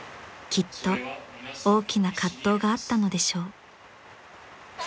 ［きっと大きな葛藤があったのでしょう］